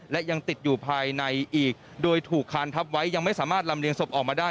และยังติดอยู่ภายในอีกโดยถูกคานทับไว้ยังไม่สามารถลำเลียงศพออกมาได้